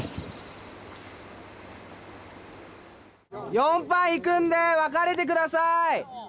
４班いくんで分かれてください！